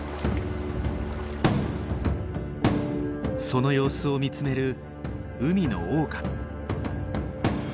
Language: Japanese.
その様子を見つめる海のオオカミ。